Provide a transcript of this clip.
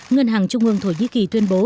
ngân hàng trung ương thổ nhĩ kỳ tuyên bố